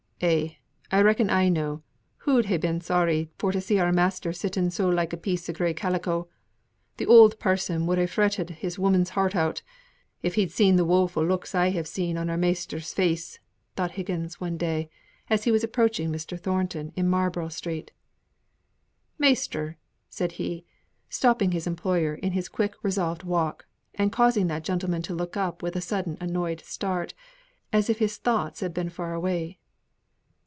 "Eh! I reckon I know who'd ha' been sorry for to see our measter sitting so like a piece o' grey calico! Th' oud parson would ha' fretted his woman's heart out, if he'd seen the woeful looks I have seen on our measter's face," thought Higgins, one day, as he was approaching Mr. Thornton in Marlborough Street. "Measter," said he, stopping his employer in his quick resolved walk, and causing that gentleman to look up with a sudden annoyed start, as if his thoughts had been far away.